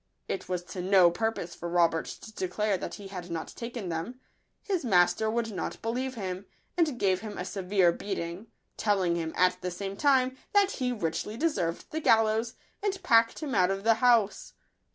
It was to no purpose for Robert to declare that he had not taken them ; his master would not believe him, and gave him a severe beating, telling him, at the same time, that he richly deserved the gallows, and packed him out of the house.